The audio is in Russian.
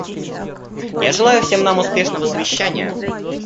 Я желаю всем нам успешного совещания.